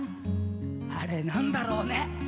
あれ何だろうね？